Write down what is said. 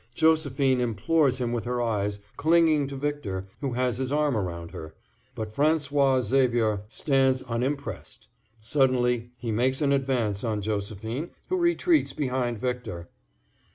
Josephine implores him with her eyes, clinging to Victor, who has his arm around her. But François Xavier stands unimpressed. Suddenly he makes an advance on Josephine, who retreats behind Victor.